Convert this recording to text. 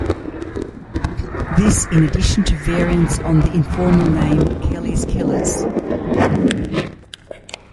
This in addition to variants on the informal name "Kelly's Killers".